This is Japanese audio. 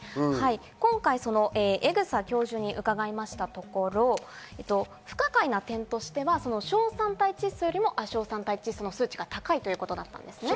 今回、江種教授に伺いましたところ、不可解な点としては、硝酸態窒素より亜硝酸態窒素の数値が高いということだったんです。